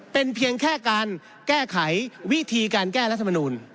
เป็นเพียงแค่การแก้ไขวิธีการแก้รัฐมนูล